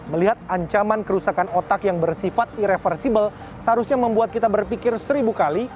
melihat ancaman kerusakan otak yang bersifat ireversible seharusnya membuat kita berpikir seribu kali